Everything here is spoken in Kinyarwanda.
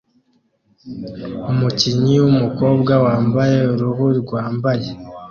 Umukinnyi wumukobwa wambaye uruhu rwambaye